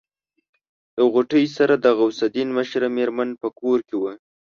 له غوټۍ سره د غوث الدين مشره مېرمن په کور کې وه.